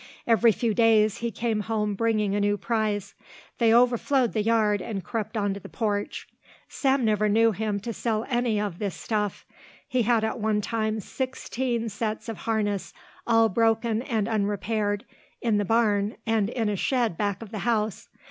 Every few days he came home bringing a new prize. They overflowed the yard and crept onto the porch. Sam never knew him to sell any of this stuff. He had at one time sixteen sets of harness all broken and unrepaired in the barn and in a shed back of the house.